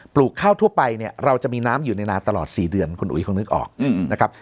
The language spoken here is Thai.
ลูกข้าวทั่วไปเนี่ยเราจะมีน้ำอยู่ในนาตลอด๔เดือนคุณอุ๋ยคงนึกออกนะครับ